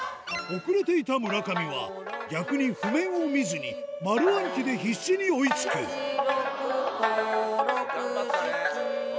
遅れていた村上は逆に譜面を見ずに丸暗記で必死に追いつく六工六七。